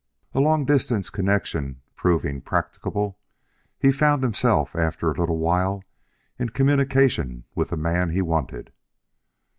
A long distance connection proving practicable, he found himself after a little while in communication with the man he wanted.